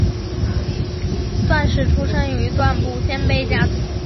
段氏出身于段部鲜卑家族。